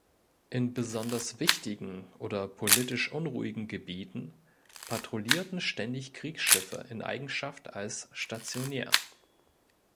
In besonders wichtigen oder politisch unruhigen Gebieten patrouillierten ständig Kriegsschiffe in Eigenschaft als „Stationär“.